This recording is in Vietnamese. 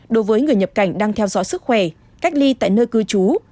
đối với người nhập cảnh đang theo dõi sức khỏe cách ly tại nơi cư trú